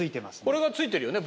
これが付いてるよね